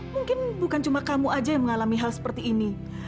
mungkin bukan cuma kamu aja yang mengalami hal seperti ini